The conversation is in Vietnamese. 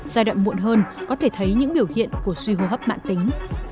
giai đoạn muộn hơn có thể thấy những biểu hiện của suy hô hấp mạng tính